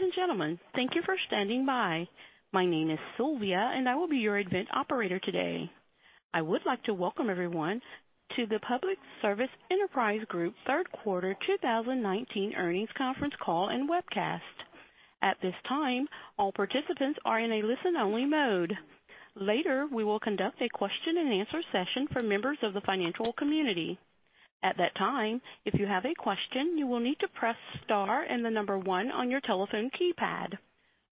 Ladies and gentlemen, thank you for standing by. My name is Sylvia, and I will be your event operator today. I would like to welcome everyone to the Public Service Enterprise Group third quarter 2019 earnings conference call and webcast. At this time, all participants are in a listen-only mode. Later, we will conduct a question-and-answer session for members of the financial community. At that time, if you have a question, you will need to press star and the number 1 on your telephone keypad.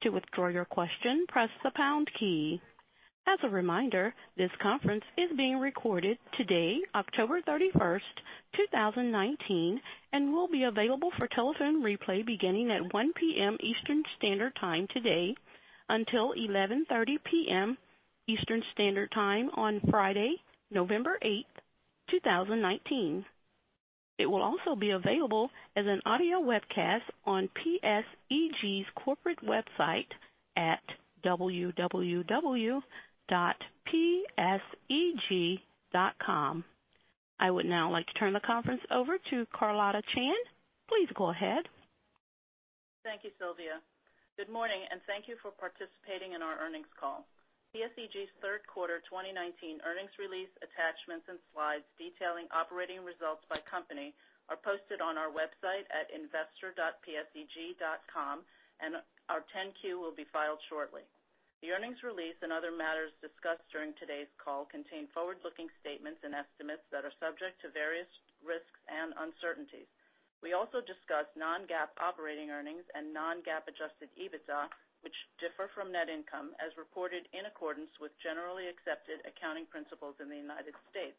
To withdraw your question, press the pound key. As a reminder, this conference is being recorded today, October 31st, 2019, and will be available for telephone replay beginning at 1:00 P.M. Eastern Standard Time today until 11:30 P.M. Eastern Standard Time on Friday, November 8th, 2019. It will also be available as an audio webcast on PSEG's corporate website at www.pseg.com. I would now like to turn the conference over to Carlotta Chan. Please go ahead. Thank you, Sylvia. Good morning, thank you for participating in our earnings call. PSEG's third quarter 2019 earnings release attachments and slides detailing operating results by company are posted on our website at investor.pseg.com, our 10-Q will be filed shortly. The earnings release and other matters discussed during today's call contain forward-looking statements and estimates that are subject to various risks and uncertainties. We also discuss non-GAAP operating earnings and non-GAAP adjusted EBITDA, which differ from net income as reported in accordance with generally accepted accounting principles in the United States.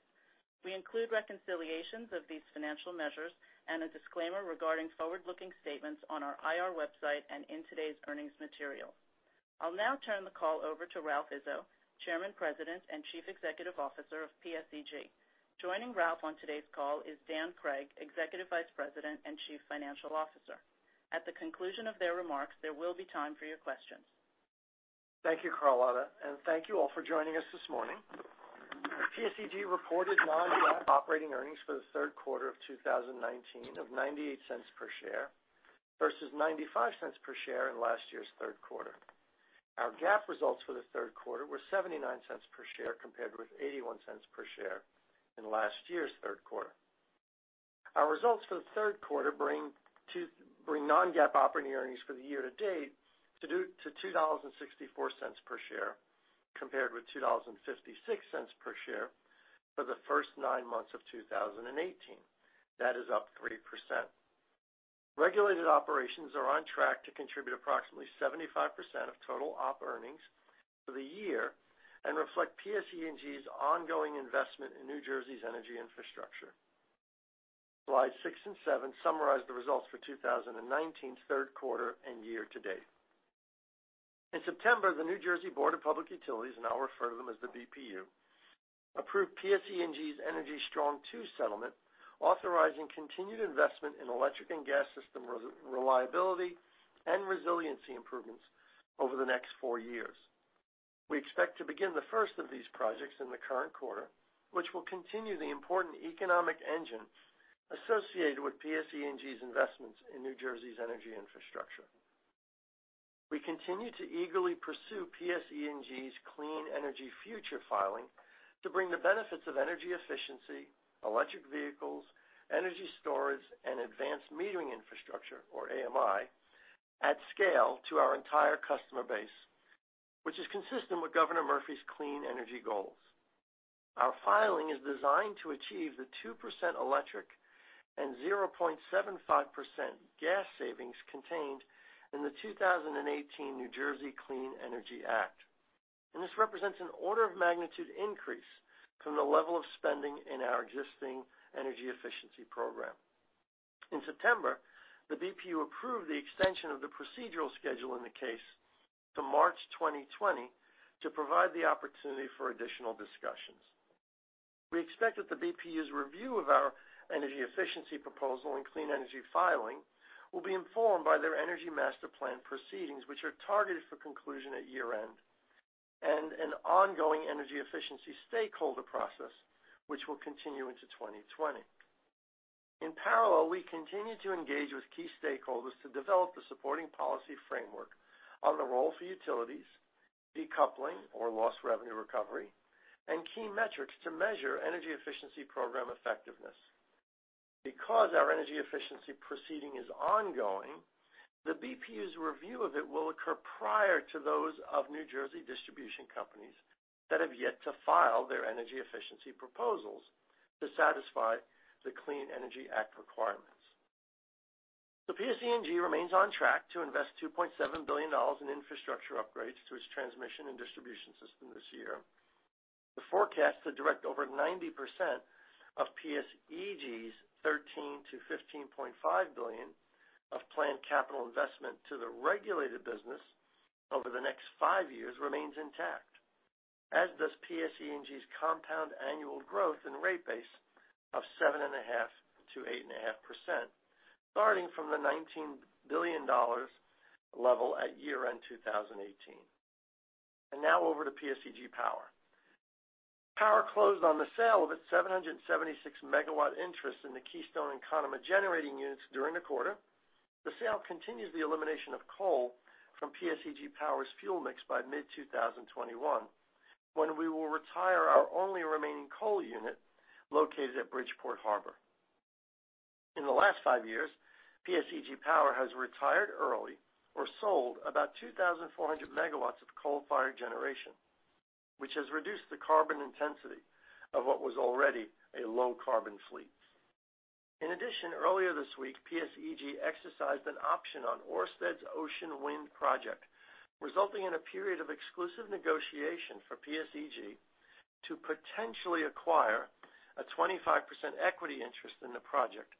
We include reconciliations of these financial measures and a disclaimer regarding forward-looking statements on our IR website and in today's earnings material. I'll now turn the call over to Ralph Izzo, Chairman, President, and Chief Executive Officer of PSEG. Joining Ralph on today's call is Daniel Cregg, Executive Vice President and Chief Financial Officer. At the conclusion of their remarks, there will be time for your questions. Thank you, Carlotta. Thank you all for joining us this morning. PSEG reported non-GAAP operating earnings for the third quarter of 2019 of $0.98 per share versus $0.95 per share in last year's third quarter. Our GAAP results for the third quarter were $0.79 per share compared with $0.81 per share in last year's third quarter. Our results for the third quarter bring non-GAAP operating earnings for the year-to-date to $2.64 per share compared with $2.56 per share for the first nine months of 2018. That is up 3%. Regulated operations are on track to contribute approximately 75% of total op earnings for the year and reflect PSEG's ongoing investment in New Jersey's energy infrastructure. Slides six and seven summarize the results for 2019's third quarter and year-to-date. In September, the New Jersey Board of Public Utilities, and I'll refer to them as the BPU, approved PSEG's Energy Strong II settlement, authorizing continued investment in electric and gas system reliability and resiliency improvements over the next four years. We expect to begin the first of these projects in the current quarter, which will continue the important economic engine associated with PSEG's investments in New Jersey's energy infrastructure. We continue to eagerly pursue PSEG's Clean Energy Future filing to bring the benefits of energy efficiency, electric vehicles, energy storage, and advanced metering infrastructure, or AMI, at scale to our entire customer base, which is consistent with Governor Murphy's clean energy goals. Our filing is designed to achieve the 2% electric and 0.75% gas savings contained in the 2018 New Jersey Clean Energy Act. This represents an order of magnitude increase from the level of spending in our existing energy efficiency program. In September, the BPU approved the extension of the procedural schedule in the case to March 2020 to provide the opportunity for additional discussions. We expect that the BPU's review of our energy efficiency proposal and Clean Energy Future will be informed by their Energy Master Plan proceedings, which are targeted for conclusion at year-end, and an ongoing energy efficiency stakeholder process, which will continue into 2020. In parallel, we continue to engage with key stakeholders to develop the supporting policy framework on the role for utilities, decoupling or lost revenue recovery, and key metrics to measure energy efficiency program effectiveness. Because our energy efficiency proceeding is ongoing, the BPU's review of it will occur prior to those of New Jersey distribution companies that have yet to file their energy efficiency proposals to satisfy the Clean Energy Act requirements. PSEG remains on track to invest $2.7 billion in infrastructure upgrades to its transmission and distribution system this year. The forecast to direct over 90% of PSEG's $13 billion-$15.5 billion of planned capital investment to the regulated business over the next five years remains intact, as does PSEG's compound annual growth and rate base of 7.5%-8.5%, starting from the $19 billion level at year-end 2018. Now over to PSEG Power. Power closed on the sale of its 776-megawatt interest in the Keystone and Conemaugh generating units during the quarter. The sale continues the elimination of coal from PSEG Power's fuel mix by mid-2021, when we will retire our only remaining coal unit located at Bridgeport Harbor. In the last five years, PSEG Power has retired early or sold about 2,400 megawatts of coal-fired generation, which has reduced the carbon intensity of what was already a low-carbon fleet. In addition, earlier this week, PSEG exercised an option on Ørsted's Ocean Wind project, resulting in a period of exclusive negotiation for PSEG to potentially acquire a 25% equity interest in the project,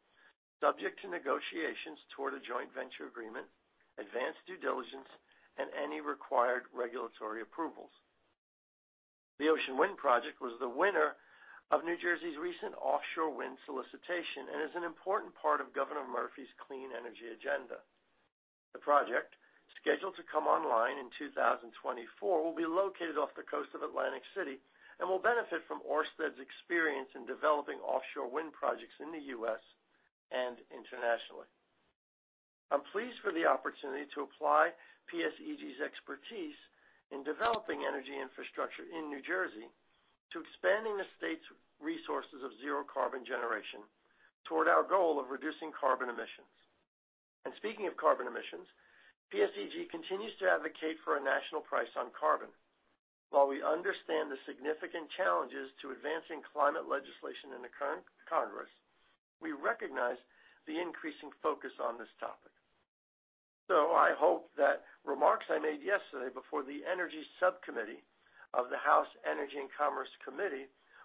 subject to negotiations toward a joint venture agreement, advanced due diligence, and any required regulatory approvals. The Ocean Wind project was the winner of New Jersey's recent offshore wind solicitation and is an important part of Governor Murphy's clean energy agenda. The project, scheduled to come online in 2024, will be located off the coast of Atlantic City and will benefit from Ørsted's experience in developing offshore wind projects in the U.S. and internationally. I'm pleased for the opportunity to apply PSEG's expertise in developing energy infrastructure in New Jersey to expanding the state's resources of zero-carbon generation toward our goal of reducing carbon emissions. Speaking of carbon emissions, PSEG continues to advocate for a national price on carbon. While we understand the significant challenges to advancing climate legislation in the current Congress, we recognize the increasing focus on this topic. I hope that remarks I made yesterday before the Subcommittee on Energy of the House Committee on Energy and Commerce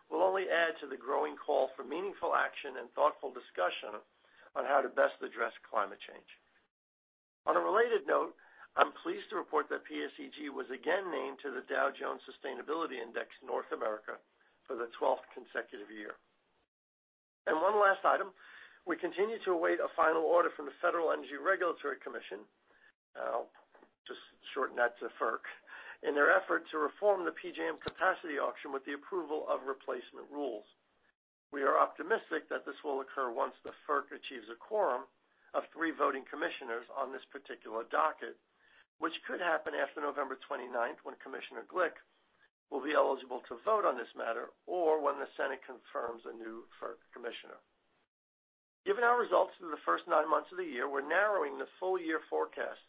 will only add to the growing call for meaningful action and thoughtful discussion on how to best address climate change. On a related note, I'm pleased to report that PSEG was again named to the Dow Jones Sustainability Index North America for the 12th consecutive year. One last item, we continue to await a final order from the Federal Energy Regulatory Commission, I'll just shorten that to FERC, in their effort to reform the PJM capacity auction with the approval of replacement rules. We are optimistic that this will occur once the FERC achieves a quorum of three voting commissioners on this particular docket, which could happen after November 29th, when Commissioner Glick will be eligible to vote on this matter, or when the Senate confirms a new FERC commissioner. Given our results through the first nine months of the year, we're narrowing the full-year forecast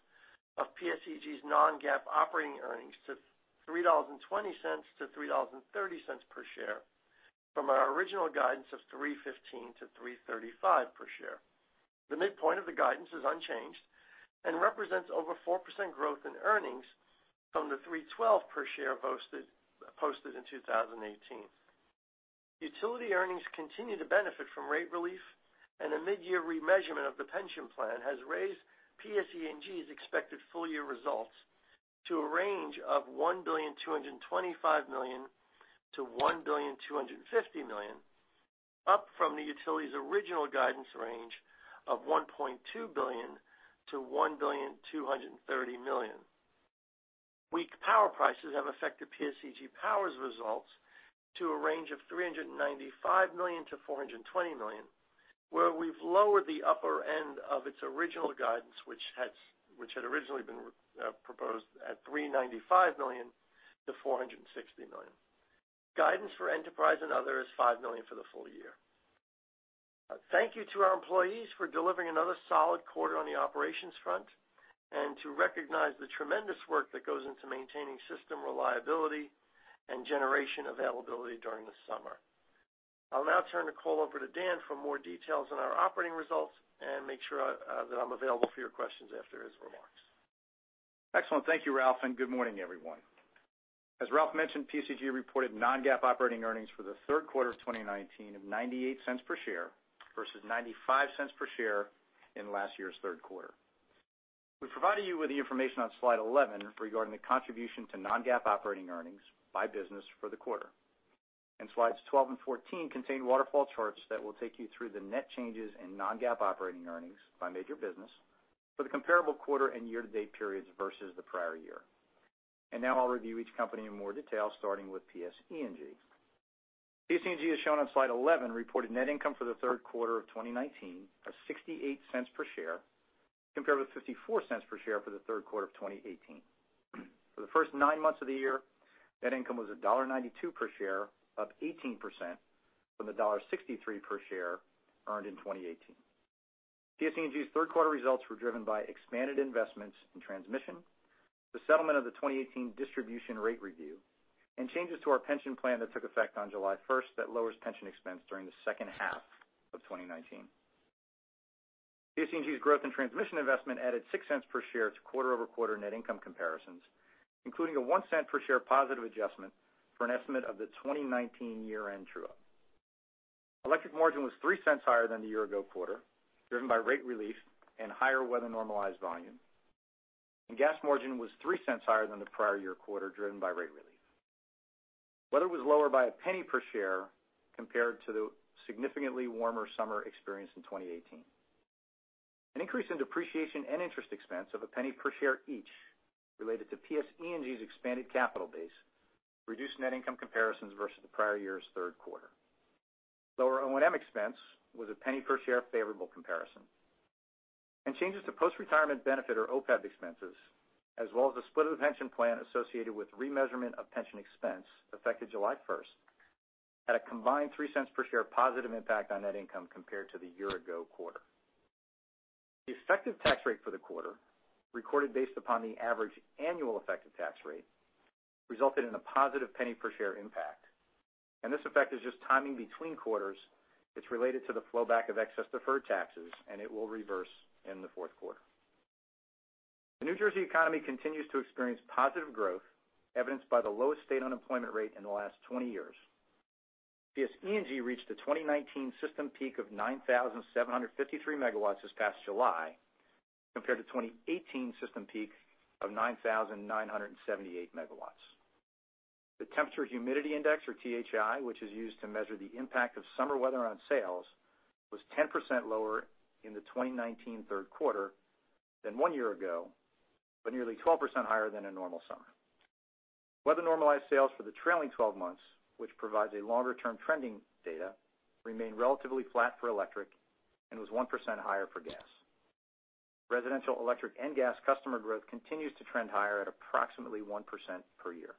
of PSEG's non-GAAP operating earnings to $3.20-$3.30 per share from our original guidance of $3.15-$3.35 per share. The midpoint of the guidance is unchanged and represents over 4% growth in earnings from the $3.12 per share posted in 2018. Utility earnings continue to benefit from rate relief, and a mid-year remeasurement of the pension plan has raised PSEG's expected full-year results to a range of $1.225 billion-$1.250 billion, up from the utility's original guidance range of $1.2 billion-$1.230 billion. Weak power prices have affected PSEG Power's results to a range of $395 million-$420 million, where we've lowered the upper end of its original guidance, which had originally been proposed at $395 million-$460 million. Guidance for Enterprise and Other is $5 million for the full year. Thank you to our employees for delivering another solid quarter on the operations front and to recognize the tremendous work that goes into maintaining system reliability and generation availability during the summer. I'll now turn the call over to Dan for more details on our operating results and make sure that I'm available for your questions after his remarks. Excellent. Thank you, Ralph. Good morning, everyone. As Ralph mentioned, PSEG reported non-GAAP operating earnings for the third quarter of 2019 of $0.98 per share versus $0.95 per share in last year's third quarter. We provided you with the information on slide 11 regarding the contribution to non-GAAP operating earnings by business for the quarter. Slides 12 and 14 contain waterfall charts that will take you through the net changes in non-GAAP operating earnings by major business for the comparable quarter and year-to-date periods versus the prior year. Now I'll review each company in more detail, starting with PSEG. PSEG, as shown on slide 11, reported net income for the third quarter of 2019 of $0.68 per share compared with $0.54 per share for the third quarter of 2018. For the first nine months of the year, net income was $1.92 per share, up 18% from the $1.63 per share earned in 2018. PSEG's third-quarter results were driven by expanded investments in transmission, the settlement of the 2018 distribution rate review, and changes to our pension plan that took effect on July 1st that lowers pension expense during the second half of 2019. PSEG's growth in transmission investment added $0.06 per share to quarter-over-quarter net income comparisons, including a $0.01 per share positive adjustment for an estimate of the 2019 year-end true-up. Electric margin was $0.03 higher than the year-ago quarter, driven by rate relief and higher weather-normalized volume. Gas margin was $0.03 higher than the prior-year quarter, driven by rate relief. Weather was lower by $0.01 per share compared to the significantly warmer summer experienced in 2018. An increase in depreciation and interest expense of $0.01 per share each related to PSE&G's expanded capital base reduced net income comparisons versus the prior year's third quarter. Lower O&M expense was a $0.01 per share favorable comparison, and changes to post-retirement benefit or OPEB expenses, as well as the split of the pension plan associated with remeasurement of pension expense affected July 1st, had a combined $0.03 per share positive impact on net income compared to the year-ago quarter. The effective tax rate for the quarter, recorded based upon the average annual effective tax rate, resulted in a positive $0.01 per share impact. This effect is just timing between quarters. It's related to the flow back of excess deferred taxes, and it will reverse in the fourth quarter. The New Jersey economy continues to experience positive growth, evidenced by the lowest state unemployment rate in the last 20 years. PSE&G reached the 2019 system peak of 9,753 megawatts this past July, compared to 2018 system peak of 9,978 megawatts. The Temperature Humidity Index, or THI, which is used to measure the impact of summer weather on sales, was 10% lower in the 2019 third quarter than one year ago, nearly 12% higher than a normal summer. Weather-normalized sales for the trailing 12 months, which provides a longer-term trending data, remain relatively flat for electric and was 1% higher for gas. Residential electric and gas customer growth continues to trend higher at approximately 1% per year.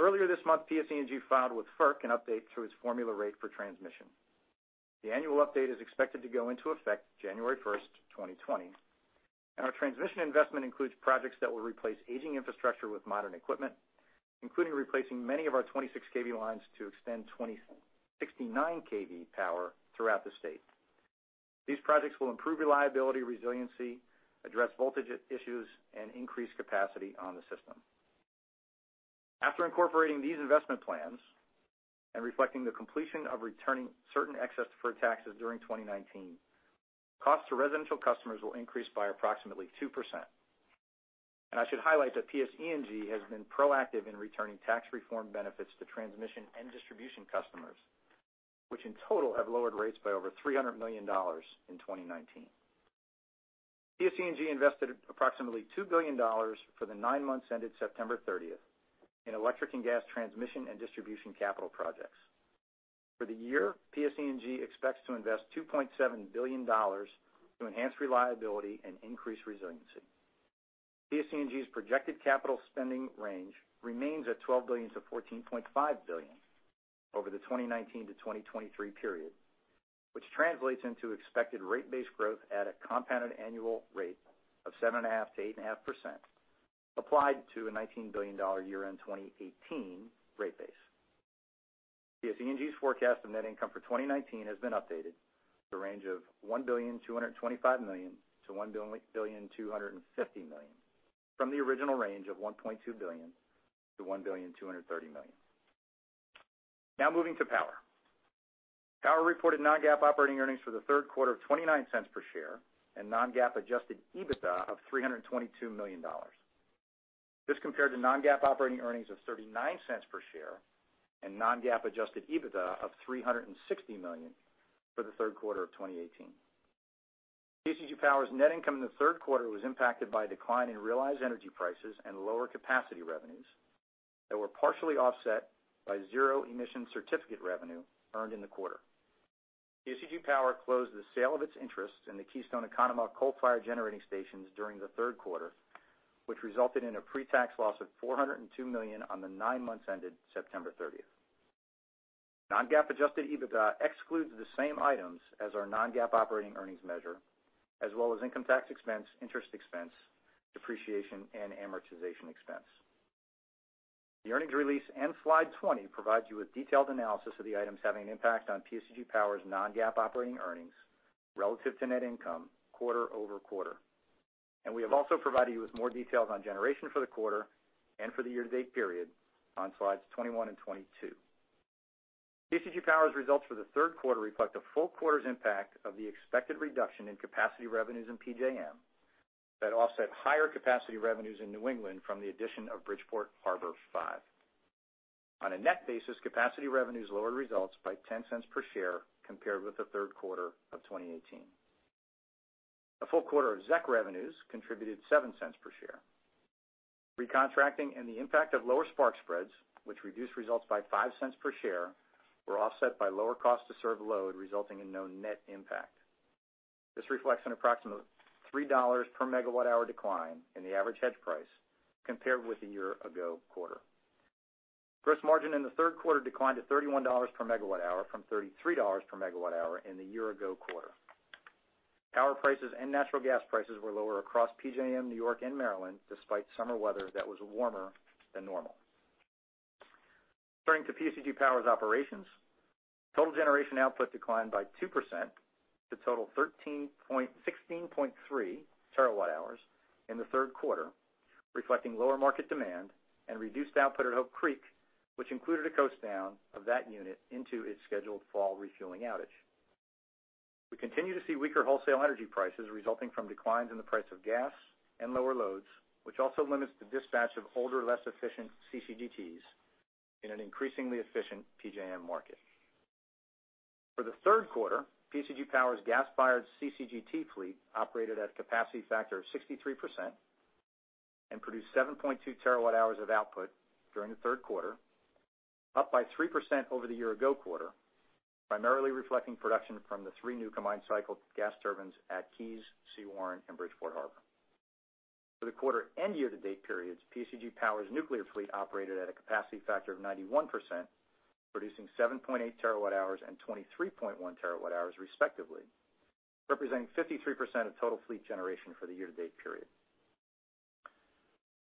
Earlier this month, PSE&G filed with FERC an update to its formula rate for transmission. The annual update is expected to go into effect January 1, 2020. Our transmission investment includes projects that will replace aging infrastructure with modern equipment, including replacing many of our 26 kV lines to extend 69 kV power throughout the state. These projects will improve reliability, resiliency, address voltage issues, and increase capacity on the system. After incorporating these investment plans and reflecting the completion of returning certain excess deferred taxes during 2019, costs to residential customers will increase by approximately 2%. I should highlight that PSE&G has been proactive in returning tax reform benefits to transmission and distribution customers, which in total have lowered rates by over $300 million in 2019. PSE&G invested approximately $2 billion for the nine months ended September 30 in electric and gas transmission and distribution capital projects. For the year, PSE&G expects to invest $2.7 billion to enhance reliability and increase resiliency. PSE&G's projected capital spending range remains at $12 billion-$14.5 billion over the 2019-2023 period, which translates into expected rate-based growth at a compounded annual rate of 7.5%-8.5% applied to a $19 billion year-end 2018 rate base. PSE&G's forecast of net income for 2019 has been updated to a range of $1.225 billion-$1.250 billion from the original range of $1.2 billion-$1.230 billion. Now moving to Power. Power reported non-GAAP operating earnings for the third quarter of $0.29 per share and non-GAAP adjusted EBITDA of $322 million. This compared to non-GAAP operating earnings of $0.39 per share and non-GAAP adjusted EBITDA of $360 million for the third quarter of 2018. PSEG Power's net income in the third quarter was impacted by a decline in realized energy prices and lower capacity revenues that were partially offset by zero emission certificate revenue earned in the quarter. PSEG Power closed the sale of its interest in the Keystone-Conemaugh coal-fired generating stations during the third quarter, which resulted in a pre-tax loss of $402 million on the nine months ended September 30th. Non-GAAP adjusted EBITDA excludes the same items as our non-GAAP operating earnings measure, as well as income tax expense, interest expense, depreciation, and amortization expense. The earnings release and Slide 20 provide you with detailed analysis of the items having an impact on PSEG Power's non-GAAP operating earnings relative to net income quarter-over-quarter. We have also provided you with more details on generation for the quarter and for the year-to-date period on Slides 21 and 22. PSEG Power's results for the third quarter reflect a full quarter's impact of the expected reduction in capacity revenues in PJM that offset higher capacity revenues in New England from the addition of Bridgeport Harbor Five. On a net basis, capacity revenues lowered results by $0.10 per share compared with the third quarter of 2018. A full quarter of ZEC revenues contributed $0.07 per share. Recontracting and the impact of lower spark spreads, which reduced results by $0.05 per share, were offset by lower cost to serve load, resulting in no net impact. This reflects an approximate $3 per megawatt-hour decline in the average hedge price compared with a year-ago quarter. Gross margin in the third quarter declined to $31 per megawatt-hour from $33 per megawatt-hour in the year-ago quarter. Power prices and natural gas prices were lower across PJM, New York, and Maryland, despite summer weather that was warmer than normal. Turning to PSEG Power's operations, total generation output declined by 2% to total 16.3 terawatt-hours in the third quarter, reflecting lower market demand and reduced output at Hope Creek, which included a coast down of that unit into its scheduled fall refueling outage. We continue to see weaker wholesale energy prices resulting from declines in the price of gas and lower loads, which also limits the dispatch of older, less efficient CCGTs. In an increasingly efficient PJM market. For the third quarter, PSEG Power's gas-fired CCGT fleet operated at a capacity factor of 63% and produced 7.2 terawatt-hours of output during the third quarter, up by 3% over the year-ago quarter, primarily reflecting production from the three new combined cycle gas turbines at Keys, Sewaren, and Bridgeport Harbor. For the quarter and year-to-date periods, PSEG Power's nuclear fleet operated at a capacity factor of 91%, producing 7.8 terawatt-hours and 23.1 terawatt-hours respectively, representing 53% of total fleet generation for the year-to-date period.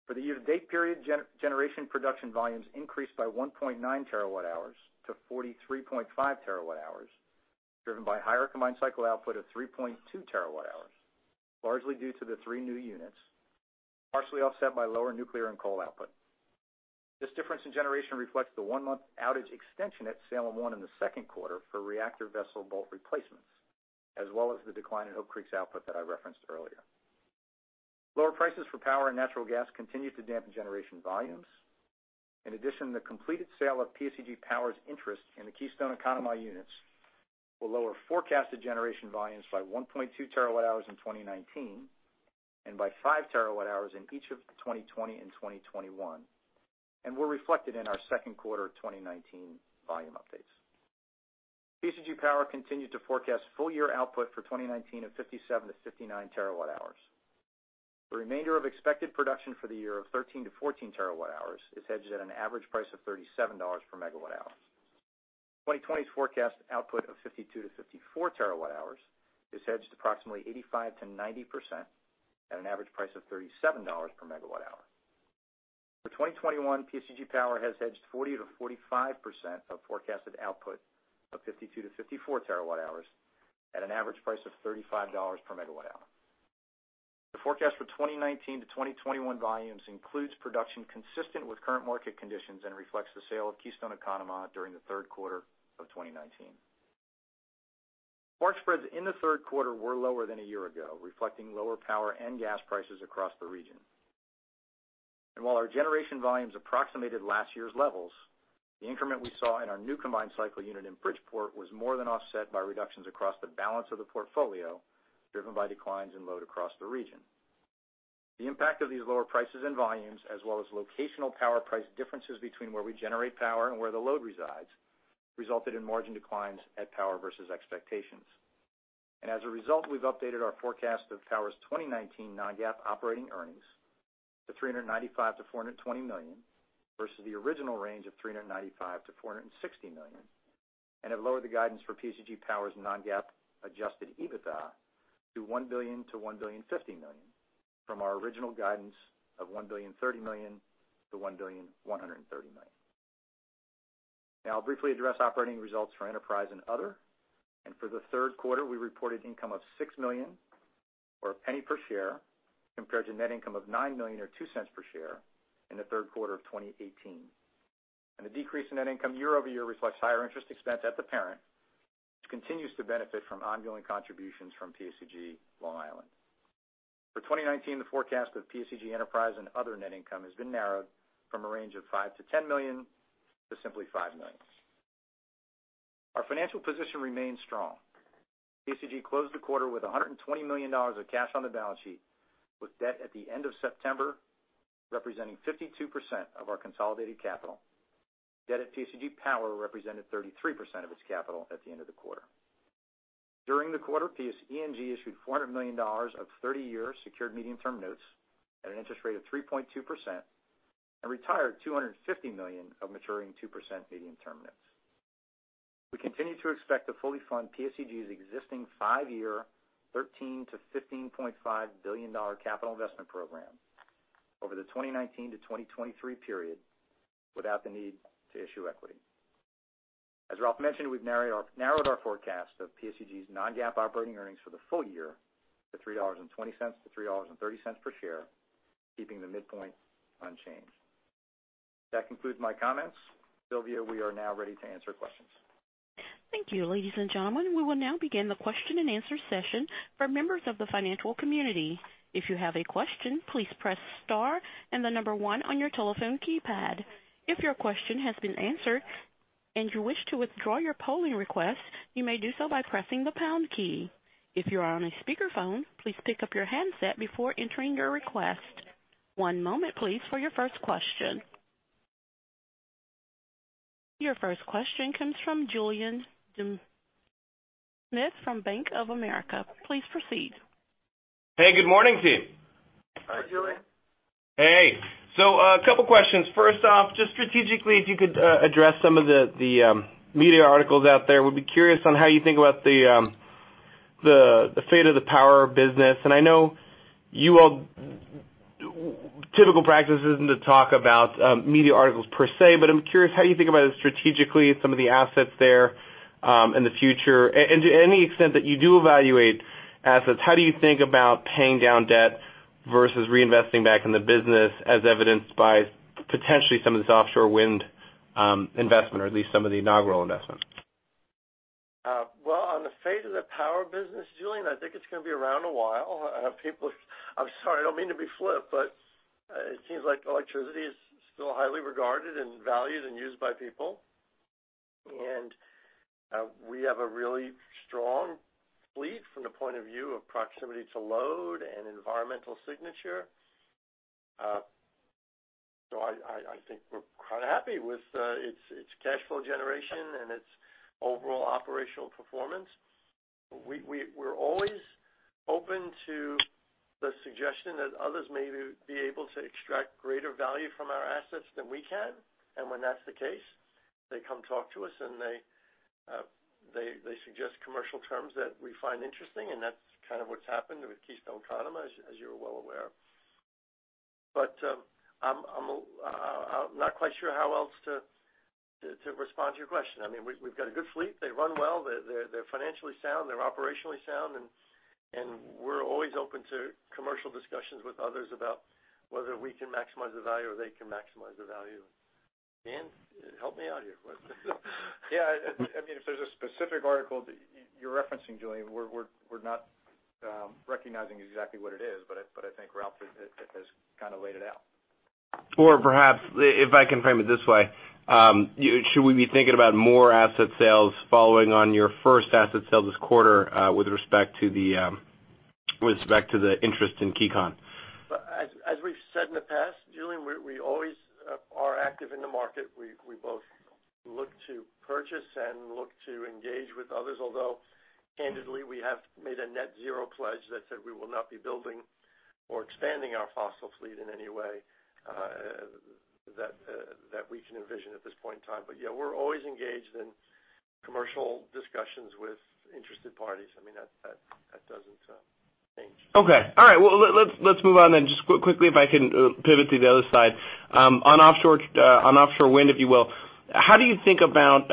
For the year-to-date period, generation production volumes increased by 1.9 terawatt-hours to 43.5 terawatt-hours, driven by higher combined cycle output of 3.2 terawatt-hours, largely due to the three new units, partially offset by lower nuclear and coal output. This difference in generation reflects the one-month outage extension at Salem 1 in the second quarter for reactor vessel bolt replacements, as well as the decline in Hope Creek's output that I referenced earlier. Lower prices for power and natural gas continued to dampen generation volumes. In addition, the completed sale of PSEG Power's interest in the Keystone-Conemaugh units will lower forecasted generation volumes by 1.2 terawatt-hours in 2019 and by five terawatt-hours in each of 2020 and 2021 and were reflected in our second quarter 2019 volume updates. PSEG Power continued to forecast full-year output for 2019 of 57-59 terawatt-hours. The remainder of expected production for the year of 13-14 terawatt-hours is hedged at an average price of $37 per megawatt-hour. 2020's forecast output of 52-54 terawatt-hours is hedged approximately 85%-90% at an average price of $37 per megawatt-hour. For 2021, PSEG Power has hedged 40%-45% of forecasted output of 52-54 terawatt-hours at an average price of $35 per megawatt-hour. The forecast for 2019 to 2021 volumes includes production consistent with current market conditions and reflects the sale of Keystone-Conemaugh during the third quarter of 2019. Margin spreads in the third quarter were lower than a year ago, reflecting lower power and gas prices across the region. While our generation volumes approximated last year's levels, the increment we saw in our new combined cycle unit in Bridgeport was more than offset by reductions across the balance of the portfolio, driven by declines in load across the region. The impact of these lower prices and volumes, as well as locational power price differences between where we generate power and where the load resides, resulted in margin declines at power versus expectations. As a result, we've updated our forecast of Power's 2019 non-GAAP operating earnings to $395 million-$420 million, versus the original range of $395 million-$460 million, and have lowered the guidance for PSEG Power's non-GAAP adjusted EBITDA to $1 billion-$1,050 million from our original guidance of $1,030 million-$1,130 million. I'll briefly address operating results for Enterprise and Other. For the third quarter, we reported income of $6 million, or $0.01 per share, compared to net income of $9 million, or $0.02 per share, in the third quarter of 2018. The decrease in net income year-over-year reflects higher interest expense at the parent, which continues to benefit from ongoing contributions from PSEG Long Island. For 2019, the forecast of PSEG Enterprise and Other net income has been narrowed from a range of $5 million-$10 million to simply $5 million. Our financial position remains strong. PSEG closed the quarter with $120 million of cash on the balance sheet, with debt at the end of September representing 52% of our consolidated capital. Debt at PSEG Power represented 33% of its capital at the end of the quarter. During the quarter, PSEG issued $400 million of 30-year secured medium-term notes at an interest rate of 3.2% and retired $250 million of maturing 2% medium-term notes. We continue to expect to fully fund PSEG's existing five-year $13 billion-$15.5 billion capital investment program over the 2019-2023 period without the need to issue equity. As Ralph mentioned, we've narrowed our forecast of PSEG's non-GAAP operating earnings for the full year to $3.20-$3.30 per share, keeping the midpoint unchanged. That concludes my comments. Sylvia, we are now ready to answer questions. Thank you, ladies and gentlemen. We will now begin the question-and-answer session for members of the financial community. If you have a question, please press star and the number one on your telephone keypad. If your question has been answered and you wish to withdraw your polling request, you may do so by pressing the pound key. If you are on a speakerphone, please pick up your handset before entering your request. One moment, please, for your first question. Your first question comes from Julien Dumoulin-Smith from Bank of America. Please proceed. Hey, good morning, team. Hi, Julien. Hey. A couple questions. First off, just strategically, if you could address some of the media articles out there. Would be curious on how you think about the fate of the power business. I know typical practice isn't to talk about media articles per se, but I'm curious how you think about it strategically, some of the assets there in the future. To any extent that you do evaluate assets, how do you think about paying down debt versus reinvesting back in the business as evidenced by potentially some of this offshore wind investment or at least some of the inaugural investment? Well, on the fate of the power business, Julien, I think it's going to be around a while. I'm sorry, I don't mean to be flip, it seems like electricity is still highly regarded, and valued, and used by people. We have a really strong fleet from the point of view of proximity to load and environmental signature. I think we're quite happy with its cash flow generation and its overall operational performance. We're always open to the suggestion that others may be able to extract greater value from our assets than we can. When that's the case, they come talk to us and they suggest commercial terms that we find interesting, and that's kind of what's happened with Keystone-Conemaugh, as you're well aware. I'm not quite sure how else to respond to your question. We've got a good fleet. They run well. They're financially sound. They're operationally sound. We're always open to commercial discussions with others about whether we can maximize the value, or they can maximize the value. Dan, help me out here. Yeah. If there's a specific article that you're referencing, Julien, we're not recognizing exactly what it is, but I think Ralph has kind of laid it out. Perhaps, if I can frame it this way, should we be thinking about more asset sales following on your first asset sale this quarter with respect to the interest in Keystone-Conemaugh? As we've said in the past, Julien, we always are active in the market. We both look to purchase and look to engage with others. Candidly, we have made a net zero pledge that said we will not be building or expanding our fossil fleet in any way that we can envision at this point in time. Yeah, we're always engaged in commercial discussions with interested parties. That doesn't change. Okay. All right. Well, let's move on. Just quickly, if I can pivot to the other side. On offshore wind, if you will, how do you think about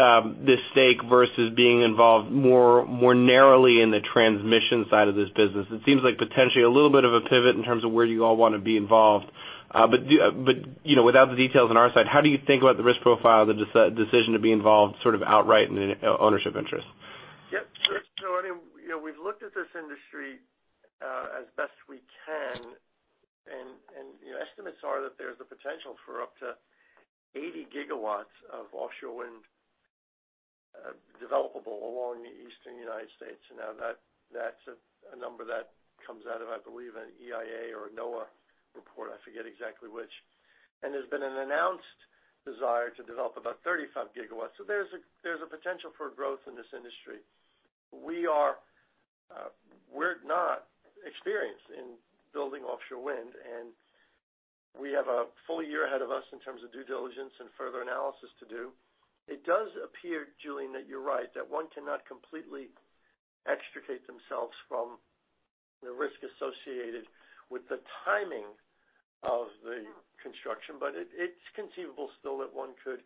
this stake versus being involved more narrowly in the transmission side of this business? It seems like potentially a little bit of a pivot in terms of where you all want to be involved. Without the details on our side, how do you think about the risk profile of the decision to be involved sort of outright in an ownership interest? Yeah. We've looked at this industry as best we can, and estimates are that there's the potential for up to 80 gigawatts of offshore wind developable along the Eastern U.S. That's a number that comes out of, I believe, an EIA or NOAA report. I forget exactly which. There's been an announced desire to develop about 35 gigawatts. There's a potential for growth in this industry. We're not experienced in building offshore wind, and we have a full year ahead of us in terms of due diligence and further analysis to do. It does appear, Julien, that you're right, that one cannot completely extricate themselves from the risk associated with the timing of the construction. It's conceivable still that one could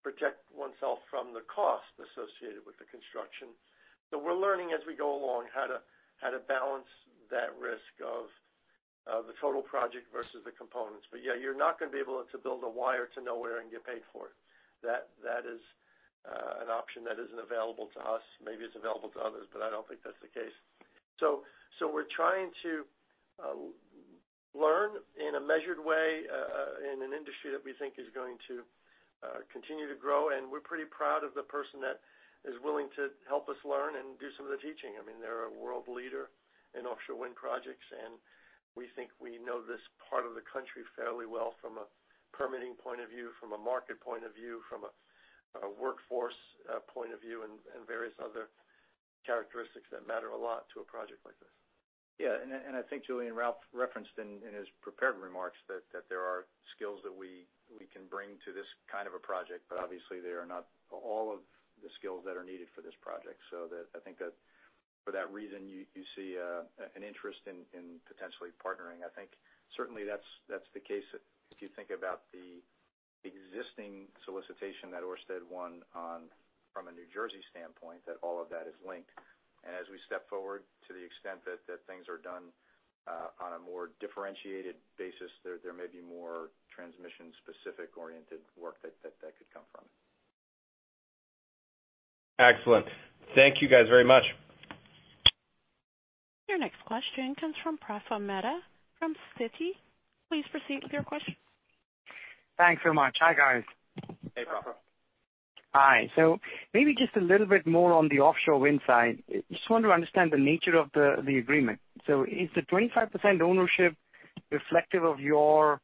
protect oneself from the cost associated with the construction. We're learning as we go along how to balance that risk of the total project versus the components. Yeah, you're not going to be able to build a wire to nowhere and get paid for it. That is an option that isn't available to us. Maybe it's available to others, but I don't think that's the case. We're trying to learn in a measured way in an industry that we think is going to continue to grow, and we're pretty proud of the person that is willing to help us learn and do some of the teaching. They're a world leader in offshore wind projects, and we think we know this part of the country fairly well from a permitting point of view, from a market point of view, from a workforce point of view, and various other characteristics that matter a lot to a project like this. I think Julien, Ralph referenced in his prepared remarks that there are skills that we can bring to this kind of a project, obviously they are not all of the skills that are needed for this project. I think that for that reason, you see an interest in potentially partnering. I think certainly that's the case if you think about the existing solicitation that Ørsted won from a New Jersey standpoint, that all of that is linked. As we step forward to the extent that things are done on a more differentiated basis, there may be more transmission-specific oriented work that could come from it. Excellent. Thank you guys very much. Your next question comes from Praful Mehta from Citi. Please proceed with your question. Thanks so much. Hi, guys. Hey, Praful. Hi. Maybe just a little bit more on the offshore wind side. Just want to understand the nature of the agreement. Is the 25% ownership reflective of your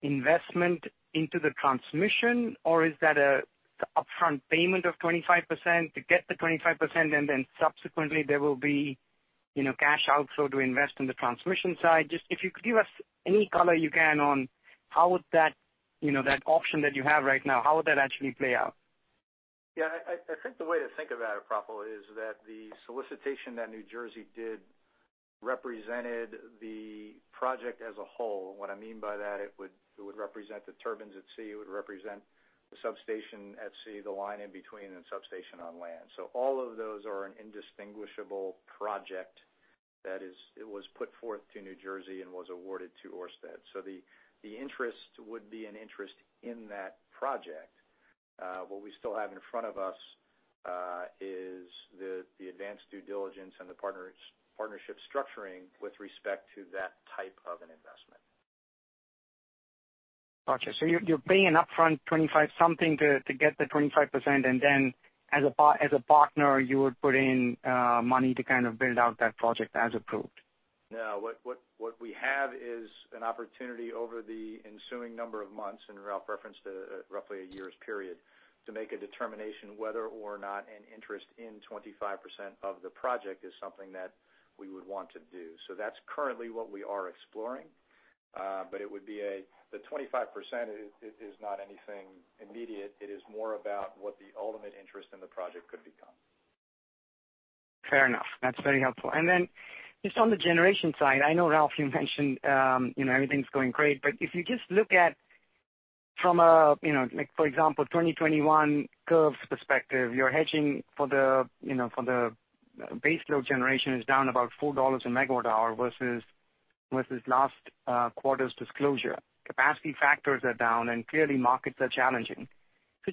investment into the transmission, or is that an upfront payment of 25% to get the 25%, and then subsequently there will be cash outflow to invest in the transmission side? Just if you could give us any color you can on how would that option that you have right now, how would that actually play out? Yeah. I think the way to think about it, Praful, is that the solicitation that New Jersey did represented the project as a whole. What I mean by that, it would represent the turbines at sea, it would represent the substation at sea, the line in between, and substation on land. All of those are an indistinguishable project. That is, it was put forth to New Jersey and was awarded to Ørsted. The interest would be an interest in that project. What we still have in front of us is the advanced due diligence and the partnership structuring with respect to that type of an investment. Got you. You're paying upfront 25-something to get the 25%, and then as a partner, you would put in money to kind of build out that project as approved. No, what we have is an opportunity over the ensuing number of months, and Ralph referenced roughly a year's period, to make a determination whether or not an interest in 25% of the project is something that we would want to do. That's currently what we are exploring. The 25% is not anything immediate. It is more about what the ultimate interest in the project could become. Fair enough. That's very helpful. Then just on the generation side, I know, Ralph, you mentioned everything's going great, but if you just look at from a, for example, 2021 curves perspective, your hedging for the base load generation is down about $4 a megawatt hour versus last quarter's disclosure. Capacity factors are down and clearly markets are challenging.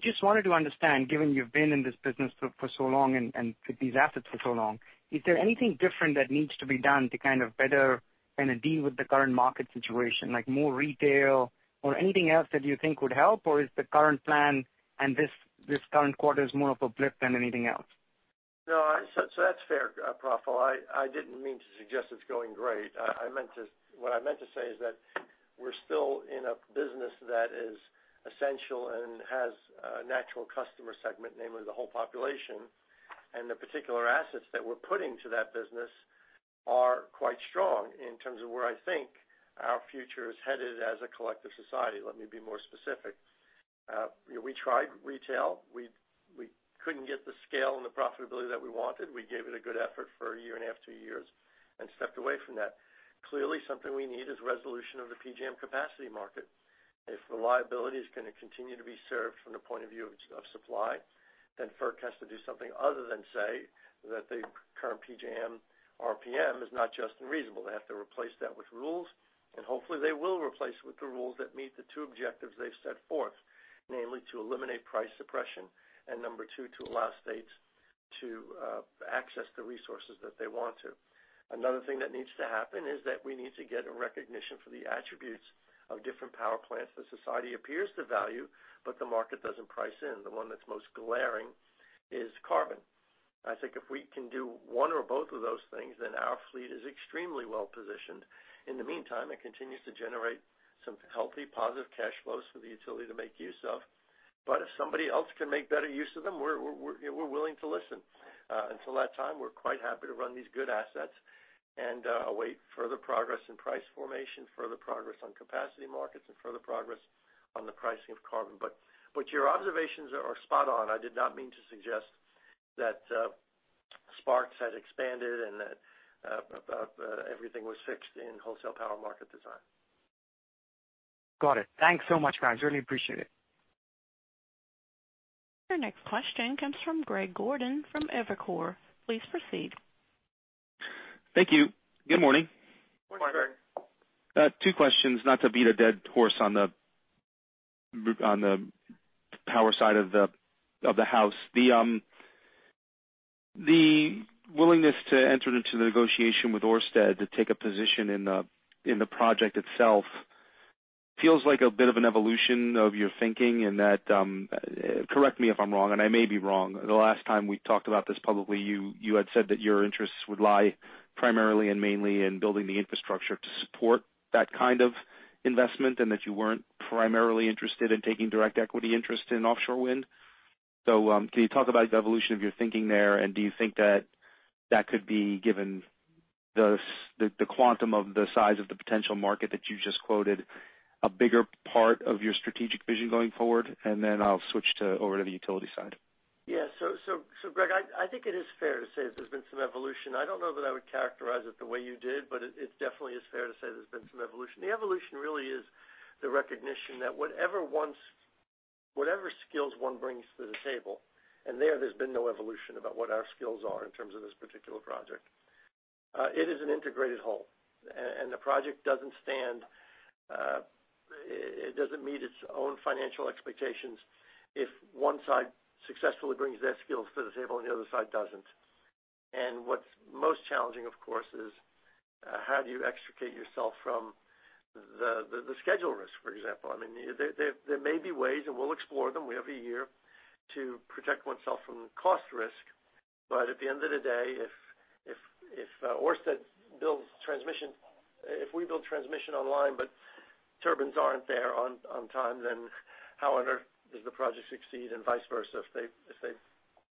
Just wanted to understand, given you've been in this business for so long and with these assets for so long, is there anything different that needs to be done to better deal with the current market situation, like more retail or anything else that you think would help? Is the current plan and this current quarter is more of a blip than anything else? That's fair, Praful. I didn't mean to suggest it's going great. What I meant to say is that we're still in a business that is essential and has a natural customer segment, namely the whole population. The particular assets that we're putting to that business are quite strong in terms of where I think our future is headed as a collective society. Let me be more specific. We tried retail. We couldn't get the scale and the profitability that we wanted. We gave it a good effort for a year and a half, two years, and stepped away from that. Clearly, something we need is resolution of the PJM capacity market. If the liability is going to continue to be served from the point of view of supply, FERC has to do something other than say that the current PJM RPM is not just and reasonable. They have to replace that with rules. Hopefully they will replace it with the rules that meet the two objectives they've set forth, namely, to eliminate price suppression, and number 2, to allow states to access the resources that they want to. Another thing that needs to happen is that we need to get a recognition for the attributes of different power plants that society appears to value, but the market doesn't price in. The one that's most glaring is carbon. I think if we can do one or both of those things, our fleet is extremely well-positioned. In the meantime, it continues to generate some healthy positive cash flows for the utility to make use of. If somebody else can make better use of them, we're willing to listen. Until that time, we're quite happy to run these good assets and await further progress in price formation, further progress on capacity markets, and further progress on the pricing of carbon. Your observations are spot on. I did not mean to suggest that sparks had expanded and that everything was fixed in wholesale power market design. Got it. Thanks so much, guys. Really appreciate it. Your next question comes from Greg Gordon from Evercore. Please proceed. Thank you. Good morning. Morning. Two questions, not to beat a dead horse on the power side of the house. The willingness to enter into the negotiation with Ørsted to take a position in the project itself feels like a bit of an evolution of your thinking in that, correct me if I'm wrong, and I may be wrong. The last time we talked about this publicly, you had said that your interests would lie primarily and mainly in building the infrastructure to support that kind of investment, and that you weren't primarily interested in taking direct equity interest in offshore wind. Can you talk about the evolution of your thinking there, and do you think that that could be given the quantum of the size of the potential market that you just quoted, a bigger part of your strategic vision going forward? I'll switch over to the utility side. Yeah. Greg, I think it is fair to say there's been some evolution. I don't know that I would characterize it the way you did, but it definitely is fair to say there's been some evolution. The evolution really is the recognition that whatever skills one brings to the table, and there's been no evolution about what our skills are in terms of this particular project. It is an integrated whole, and the project doesn't meet its own financial expectations if one side successfully brings their skills to the table and the other side doesn't. What's most challenging, of course, is how do you extricate yourself from the schedule risk, for example. There may be ways, and we'll explore them, we have a year, to protect oneself from cost risk. At the end of the day, if we build transmission online, but turbines aren't there on time, then how on earth does the project succeed, and vice versa? If they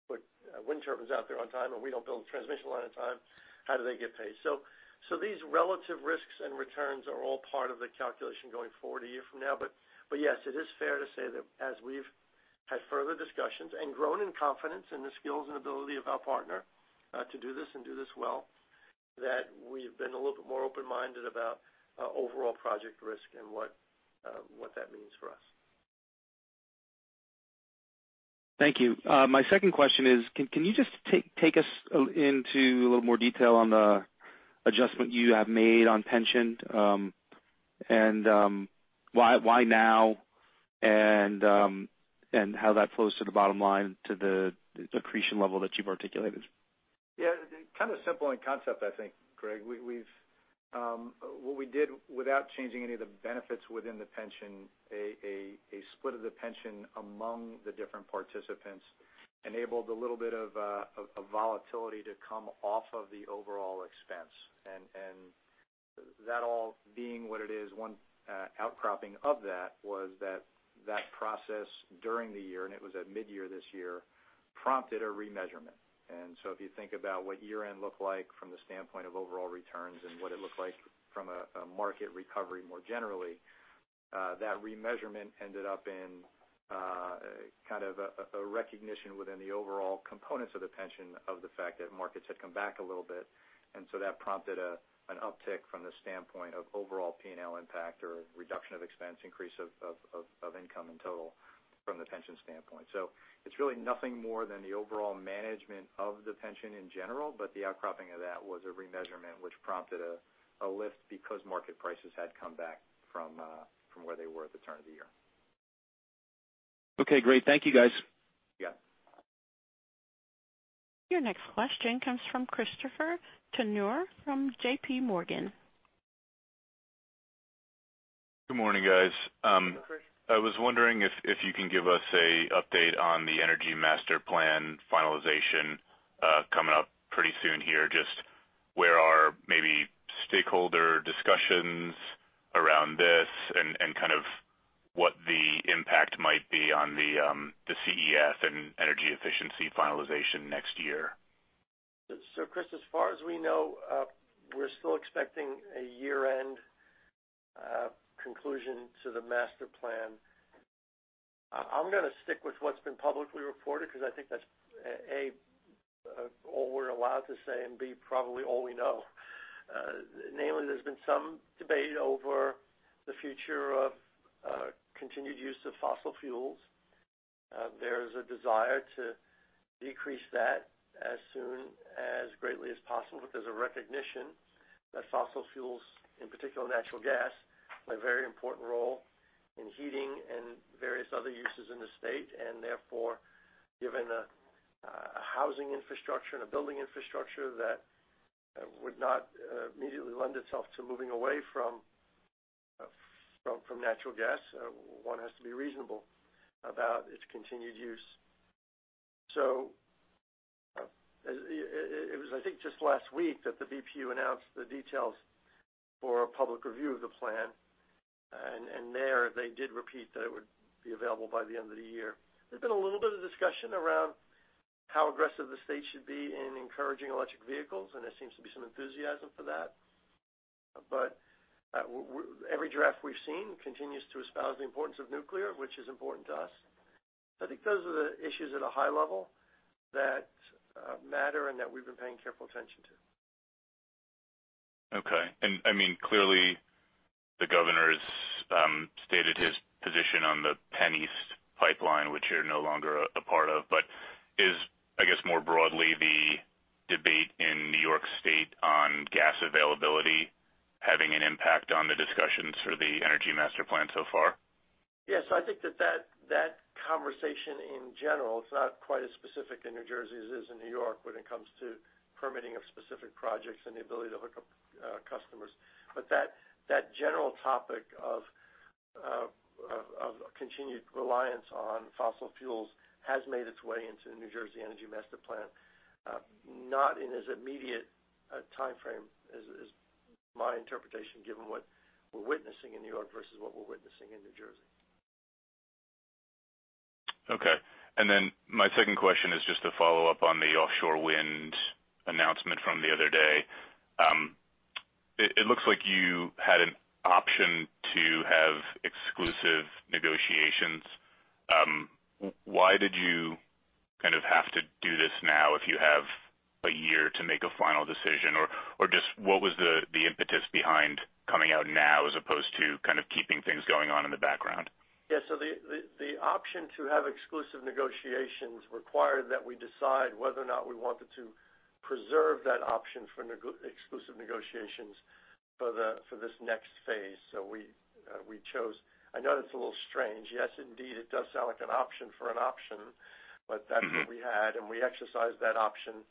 put wind turbines out there on time and we don't build a transmission line on time, how do they get paid? These relative risks and returns are all part of the calculation going forward a year from now. Yes, it is fair to say that as we've had further discussions and grown in confidence in the skills and ability of our partner to do this and do this well, that we've been a little bit more open-minded about overall project risk and what that means for us. Thank you. My second question is, can you just take us into a little more detail on the adjustment you have made on pension? Why now? How that flows to the bottom line to the accretion level that you've articulated? Kind of simple in concept, I think, Greg. What we did without changing any of the benefits within the pension, a split of the pension among the different participants enabled a little bit of volatility to come off of the overall expense. That all being what it is, one outcropping of that was that that process during the year, and it was at mid-year this year, prompted a remeasurement. If you think about what year-end looked like from the standpoint of overall returns and what it looked like from a market recovery more generally, that remeasurement ended up in kind of a recognition within the overall components of the pension of the fact that markets had come back a little bit. That prompted an uptick from the standpoint of overall P&L impact or reduction of expense, increase of income in total from the pension standpoint. It's really nothing more than the overall management of the pension in general, but the outcropping of that was a remeasurement which prompted a lift because market prices had come back from where they were at the turn of the year. Okay, great. Thank you, guys. Yeah. Your next question comes from Christopher Turnure from JPMorgan. Good morning, guys. Good morning. I was wondering if you can give us a update on the Energy Master Plan finalization coming up pretty soon here. Just where are maybe stakeholder discussions around this and kind of what the impact might be on the ZEC and energy efficiency finalization next year. Chris, as far as we know, we're still expecting a year-end conclusion to the Energy Master Plan. I'm going to stick with what's been publicly reported because I think that's, A, all we're allowed to say, and B, probably all we know. Namely, there's been some debate over the future of continued use of fossil fuels. There's a desire to decrease that as soon, as greatly as possible, but there's a recognition that fossil fuels, in particular natural gas, play a very important role in heating and various other uses in the state. Therefore, given a housing infrastructure and a building infrastructure that would not immediately lend itself to moving away from natural gas, one has to be reasonable about its continued use. It was, I think, just last week that the BPU announced the details for a public review of the plan. There, they did repeat that it would be available by the end of the year. There's been a little bit of discussion around how aggressive the state should be in encouraging electric vehicles, and there seems to be some enthusiasm for that. Every draft we've seen continues to espouse the importance of nuclear, which is important to us. I think those are the issues at a high level that matter and that we've been paying careful attention to. Okay. I mean, clearly, the governor has stated his position on the PennEast Pipeline, which you're no longer a part of, but is, I guess, more broadly, the debate in New York State on gas availability having an impact on the discussions for the Energy Master Plan so far? Yes, I think that conversation in general, it's not quite as specific in New Jersey as it is in New York when it comes to permitting of specific projects and the ability to hook up customers. That general topic of continued reliance on fossil fuels has made its way into the New Jersey Energy Master Plan. Not in as immediate a timeframe is my interpretation, given what we're witnessing in New York versus what we're witnessing in New Jersey. Okay. My second question is just a follow-up on the offshore wind announcement from the other day. It looks like you had an option to have exclusive negotiations. Why did you kind of have to do this now if you have a year to make a final decision? Or just what was the impetus behind coming out now as opposed to kind of keeping things going on in the background? The option to have exclusive negotiations required that we decide whether or not we wanted to preserve that option for exclusive negotiations for this next phase. We chose. I know that's a little strange. Yes, indeed, it does sound like an option for an option, but that's what we had, and we exercised that option.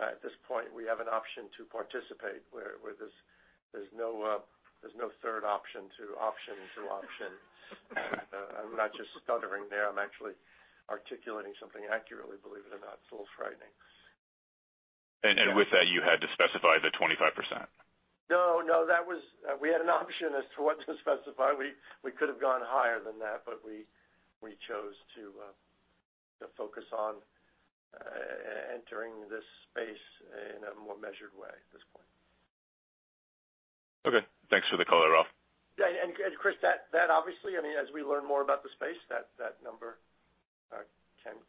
At this point, we have an option to participate where there's no third option to option to option. I'm not just stuttering there. I'm actually articulating something accurately, believe it or not. It's a little frightening. With that, you had to specify the 25%? No, we had an option as to what to specify. We could have gone higher than that, but we chose to focus on entering this space in a more measured way at this point. Okay. Thanks for the color, Ralph. Yeah. Chris, that obviously, as we learn more about the space, that number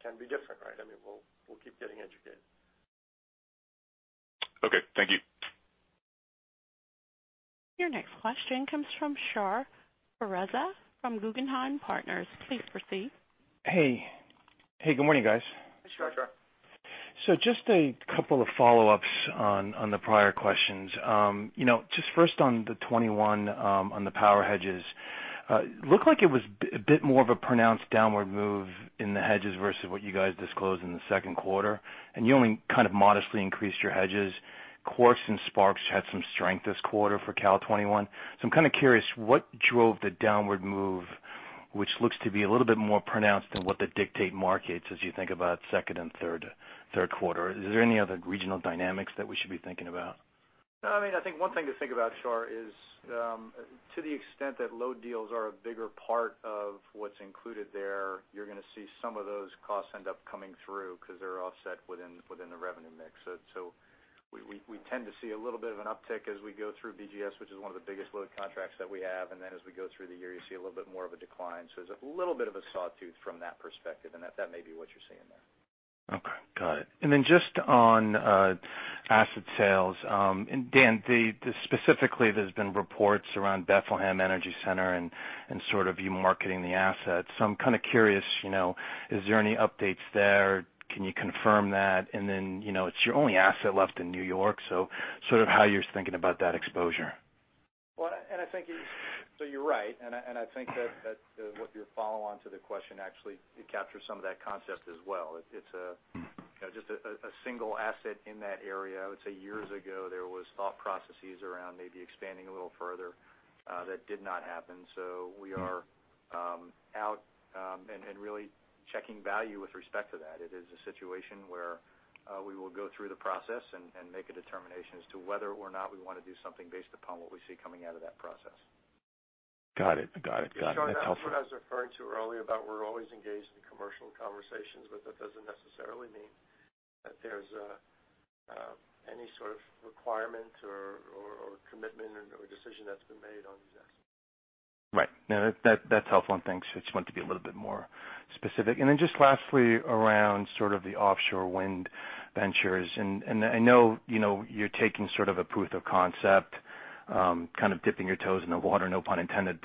can be different, right? I mean, we'll keep getting educated. Thank you. Your next question comes from Shar Pourreza from Guggenheim Partners. Please proceed. Hey. Good morning, guys. Hey, Shar. Just a couple of follow-ups on the prior questions. First on the 2021, on the power hedges. Looked like it was a bit more of a pronounced downward move in the hedges versus what you guys disclosed in the second quarter, and you only kind of modestly increased your hedges. Quartz and Sparks had some strength this quarter for Cal 2021. I'm kind of curious what drove the downward move, which looks to be a little bit more pronounced than what the liquid markets as you think about second and third quarter. Is there any other regional dynamics that we should be thinking about? No. I think one thing to think about, Shar, is to the extent that load deals are a bigger part of what's included there, you're going to see some of those costs end up coming through because they're offset within the revenue mix. We tend to see a little bit of an uptick as we go through BGS, which is one of the biggest load contracts that we have, and then as we go through the year, you see a little bit more of a decline. There's a little bit of a sawtooth from that perspective, and that may be what you're seeing there. Okay. Got it. Just on asset sales. Dan, specifically there's been reports around Bethlehem Energy Center and sort of you marketing the assets. I'm kind of curious, is there any updates there? Can you confirm that? It's your only asset left in New York, so sort of how you're thinking about that exposure. You're right, and I think that what your follow-on to the question actually captures some of that concept as well. It's just a single asset in that area. I would say years ago, there was thought processes around maybe expanding a little further. That did not happen. We are out and really checking value with respect to that. It is a situation where we will go through the process and make a determination as to whether or not we want to do something based upon what we see coming out of that process. Got it. That's helpful. Shar, that's what I was referring to earlier about we're always engaged in commercial conversations, but that doesn't necessarily mean that there's any sort of requirement or commitment or decision that's been made on these assets. Right. No, that's helpful. Thanks. I just wanted to be a little bit more specific. Then just lastly, around sort of the offshore wind ventures, and I know you're taking sort of a proof of concept, kind of dipping your toes in the water, no pun intended.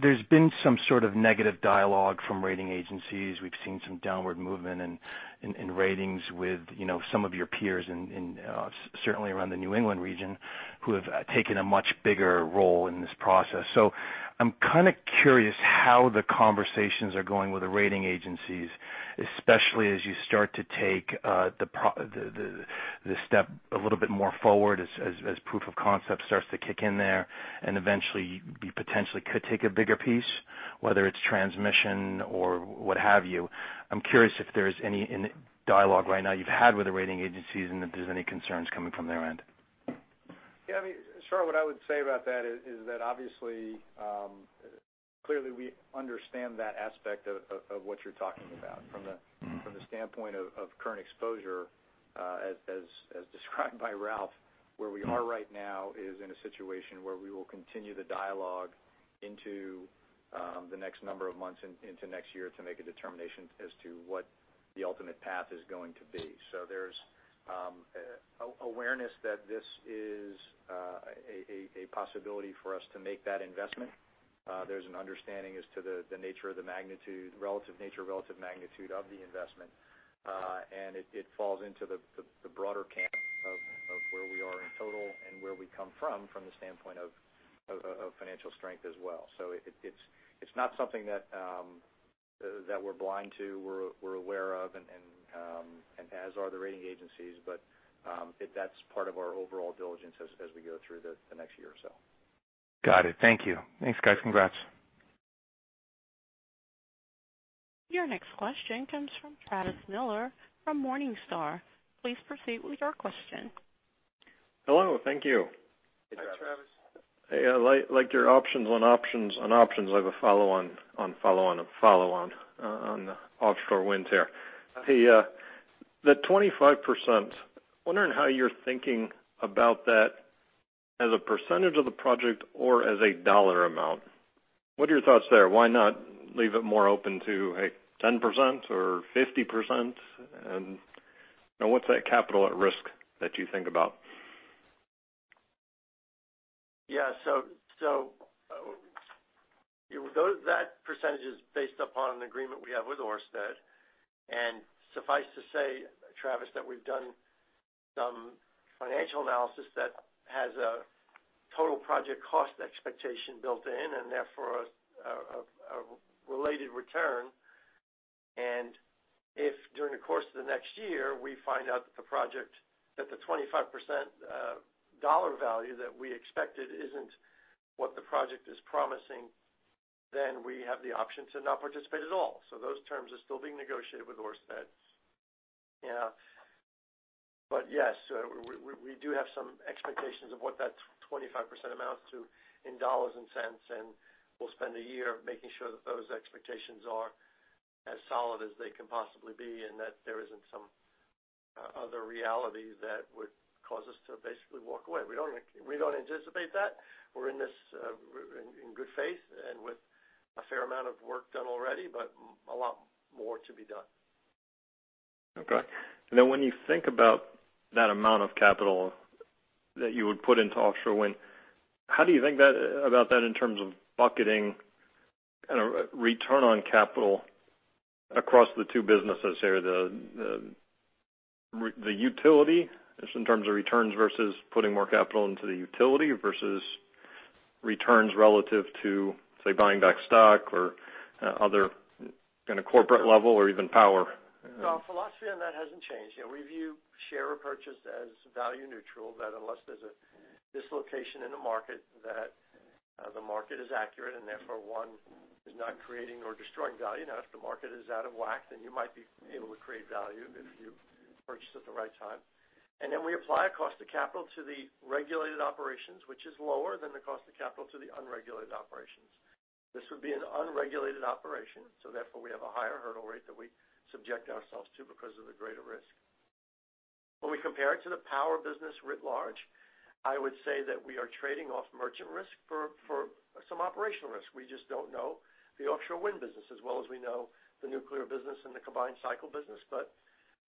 There's been some sort of negative dialogue from rating agencies. We've seen some downward movement in ratings with some of your peers, and certainly around the New England region, who have taken a much bigger role in this process. I'm kind of curious how the conversations are going with the rating agencies, especially as you start to take the step a little bit more forward as proof of concept starts to kick in there, and eventually you potentially could take a bigger piece, whether it's transmission or what have you. I'm curious if there's any dialogue right now you've had with the rating agencies and if there's any concerns coming from their end? Yeah, Shar, what I would say about that is that obviously, clearly we understand that aspect of what you're talking about. From the standpoint of current exposure, as described by Ralph, where we are right now is in a situation where we will continue the dialogue into the next number of months into next year to make a determination as to what the ultimate path is going to be. There's awareness that this is a possibility for us to make that investment. There's an understanding as to the nature of the magnitude, relative nature, relative magnitude of the investment. It falls into the broader camp of where we are in total and where we come from the standpoint of financial strength as well. It's not something that we're blind to. We're aware of, and as are the rating agencies, but that's part of our overall diligence as we go through the next year or so. Got it. Thank you. Thanks, guys. Congrats. Your next question comes from Travis Miller from Morningstar. Please proceed with your question. Hello. Thank you. Hey, Travis. Hi, Travis. Hey, I liked your options on options on options. I have a follow on follow on follow on the offshore winds here. The 25%, wondering how you're thinking about that as a percentage of the project or as a dollar amount. What are your thoughts there? Why not leave it more open to, hey, 10% or 50%? What's that capital at risk that you think about? Yeah, that % is based upon an agreement we have with Ørsted. Suffice to say, Travis, that we've done some financial analysis that has a total project cost expectation built in, and therefore, a related return. If during the course of the next year, we find out that the 25% dollar value that we expected isn't what the project is promising, then we have the option to not participate at all. Those terms are still being negotiated with Ørsted. Yes, we do have some expectations of what that 25% amounts to in dollars and cents, and we'll spend a year making sure that those expectations are as solid as they can possibly be, and that there isn't some other reality that would cause us to basically walk away. We don't anticipate that. We're in this in good faith and with a fair amount of work done already, but a lot more to be done. Okay. When you think about that amount of capital that you would put into offshore wind, how do you think about that in terms of bucketing return on capital across the two businesses here, the utility, just in terms of returns versus putting more capital into the utility versus returns relative to, say, buying back stock or other corporate level or even power? No. Our philosophy on that hasn't changed. We view share or purchase as value neutral, that unless there's a dislocation in the market, that the market is accurate and therefore one is not creating or destroying value. If the market is out of whack, then you might be able to create value if you purchase at the right time. We apply a cost of capital to the regulated operations, which is lower than the cost of capital to the unregulated operations. This would be an unregulated operation, therefore, we have a higher hurdle rate that we subject ourselves to because of the greater risk. When we compare it to the power business writ large, I would say that we are trading off merchant risk for some operational risk. We just don't know the offshore wind business as well as we know the nuclear business and the combined cycle business.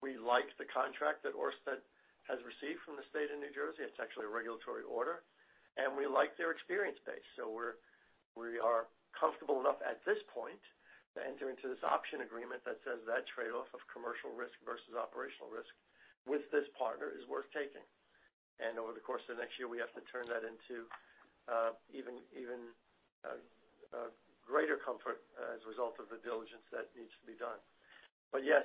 We like the contract that Ørsted has received from the state of New Jersey. It's actually a regulatory order. We like their experience base. We are comfortable enough at this point to enter into this option agreement that says that trade-off of commercial risk versus operational risk with this partner is worth taking. Over the course of next year, we have to turn that into even greater comfort as a result of the diligence that needs to be done. Yes,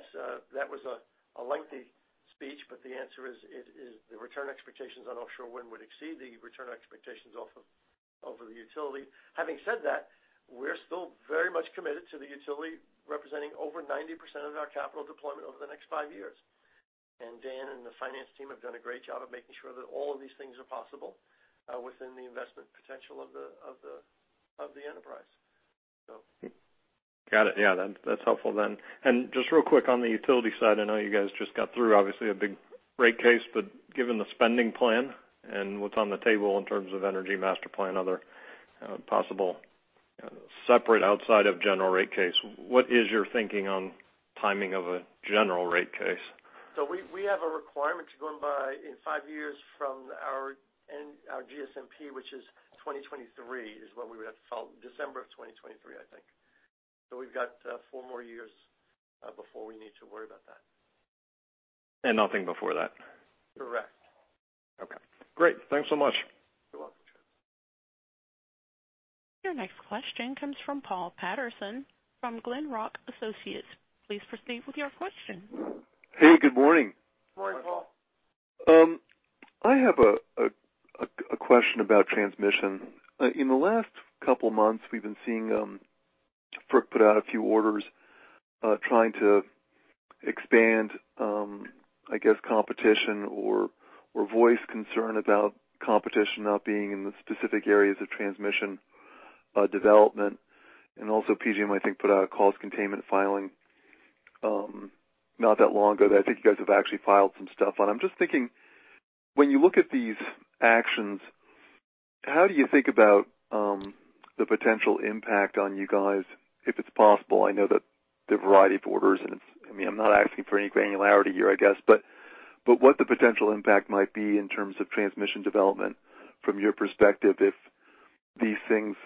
that was a lengthy speech, but the answer is the return expectations on offshore wind would exceed the return expectations off of the utility. Having said that, we're still very much committed to the utility representing over 90% of our capital deployment over the next five years. Dan and the finance team have done a great job of making sure that all of these things are possible within the investment potential of the enterprise. Got it. Yeah. That's helpful then. Just real quick on the utility side, I know you guys just got through, obviously, a big rate case, but given the spending plan and what's on the table in terms of Energy Master Plan, other possible separate outside of general rate case, what is your thinking on timing of a general rate case? We have a requirement to go by in five years from our GSMP, which is 2023, is what we would have filed December of 2023, I think. We've got four more years, before we need to worry about that. Nothing before that? Correct. Okay, great. Thanks so much. You're welcome. Your next question comes from Paul Patterson from Glenrock Associates. Please proceed with your question. Hey, good morning. Morning, Paul. I have a question about transmission. In the last couple of months, we've been seeing FERC put out a few orders, trying to expand, I guess, competition or voice concern about competition not being in the specific areas of transmission development. Also PJM, I think, put out a cost containment filing not that long ago that I think you guys have actually filed some stuff on. I'm just thinking, when you look at these actions, how do you think about the potential impact on you guys, if it's possible? I know that there are a variety of orders, and I'm not asking for any granularity here, I guess. What the potential impact might be in terms of transmission development from your perspective if these things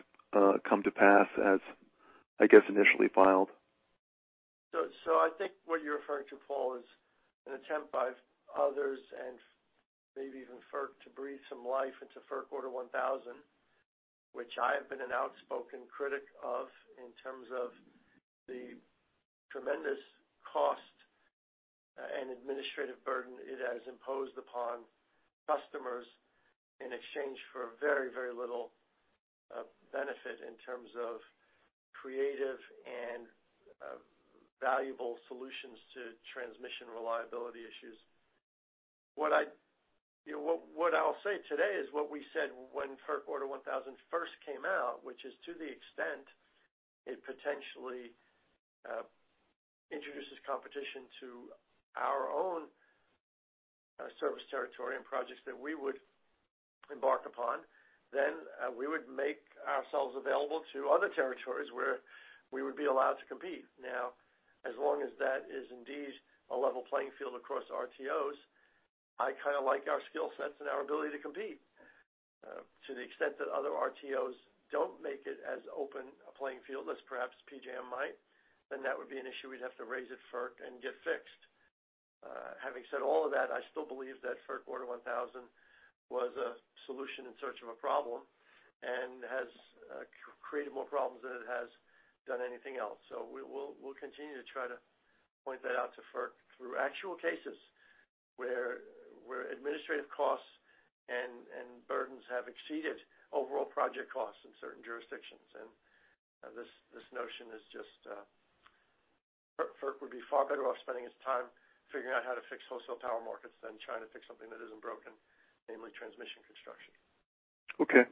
come to pass as I guess, initially filed? I think what you're referring to, Paul, is an attempt by others and maybe even FERC to breathe some life into FERC Order 1000, which I have been an outspoken critic of in terms of the tremendous cost and administrative burden it has imposed upon customers in exchange for very little benefit in terms of creative and valuable solutions to transmission reliability issues. What I'll say today is what we said when FERC Order 1000 first came out, which is to the extent it potentially introduces competition to our own service territory and projects that we would embark upon, then we would make ourselves available to other territories where we would be allowed to compete. As long as that is indeed a level playing field across RTOs, I kind of like our skill sets and our ability to compete. To the extent that other RTOs don't make it as open a playing field as perhaps PJM might, then that would be an issue we'd have to raise at FERC and get fixed. Having said all of that, I still believe that FERC Order 1000 was a solution in search of a problem and has created more problems than it has done anything else. We'll continue to try to point that out to FERC through actual cases where administrative costs and burdens have exceeded overall project costs in certain jurisdictions. This notion is just, FERC would be far better off spending its time figuring out how to fix wholesale power markets than trying to fix something that isn't broken, namely transmission construction. Okay.